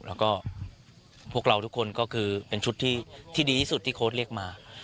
แล้วก็พวกเราทุกคนก็คือเป็นชุดที่ดีที่สุดที่โค้ดเรียกมา